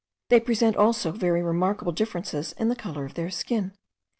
They present also very remarkable differences in the colour of their skin.